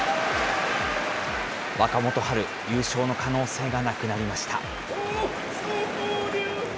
若元春、優勝の可能性がなくなりました。